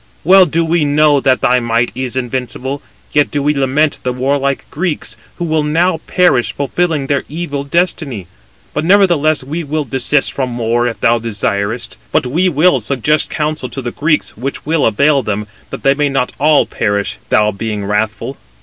Well do we know that thy might is invincible: yet do we lament the warlike Greeks, who will now perish, fulfilling their evil destiny. But nevertheless, we will desist from war, if thou desirest it. But we will suggest counsel to the Greeks, which will avail them, that they may not all perish, thou being wrathful."